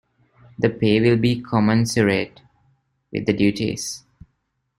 The pay will be commensurate with the duties.